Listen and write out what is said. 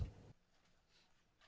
điển hình là điều và giống tiêu vĩnh linh